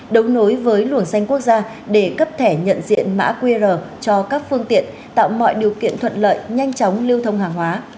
đấu nối với luồng xanh quốc gia để cấp thẻ nhận diện mã qr cho các phương tiện tạo mọi điều kiện thuận lợi nhanh chóng lưu thông hàng hóa